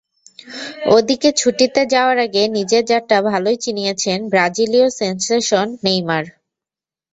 ওদিকে ছুটিতে যাওয়ার আগে নিজের জাতটা ভালোই চিনিয়েছেন ব্রাজিলীয় সেনসেশন নেইমার।